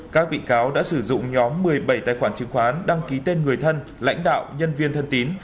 các bị cáo đã sử dụng nhóm một mươi bảy tài khoản chứng khoán đăng ký tên người thân lãnh đạo nhân viên thân tín